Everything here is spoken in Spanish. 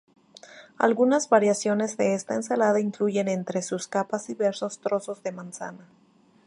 Algunas variaciones de esta ensalada incluyen entre sus capas diversos trozos de manzana.